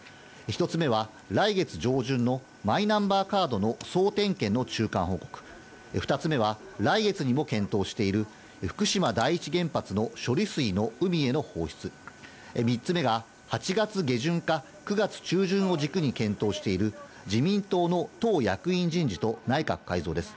１つ目は来月上旬のマイナンバーカードの総点検の中間報告、２つ目は来月にも検討している福島第一原発の処理水の海への放出、３つ目が、８月下旬か９月中旬を軸に検討している自民党の党役員人事と内閣改造です。